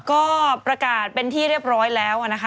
ก็ประกาศเป็นที่เรียบร้อยแล้วนะคะ